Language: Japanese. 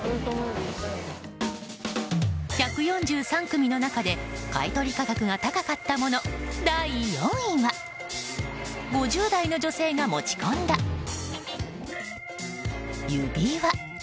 １４３組の中で買い取り価格が高かったもの、第４位は５０代の女性が持ち込んだ指輪。